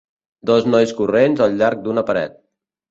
Dos nois corrents al llarg d'una paret.